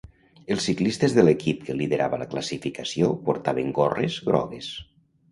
Els ciclistes de l'equip que liderava la classificació portaven gorres grogues.